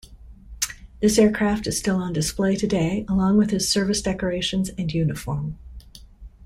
This aircraft is still on display today along with his service decorations and uniform.